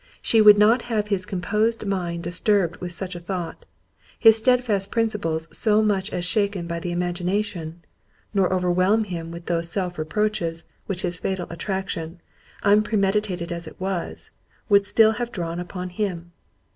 She would not have his composed mind disturbed with such a thought—his steadfast principles so much as shaken by the imagination—nor overwhelm him with those self reproaches which his fatal attraction, unpremeditated as it was, would still have drawn upon him.